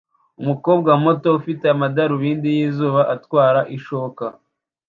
Umukobwa muto ufite amadarubindi yizuba atwara ishoka